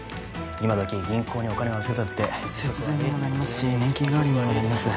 いまどき銀行にお金を預けたって節税にもなりますし年金代わりにもなります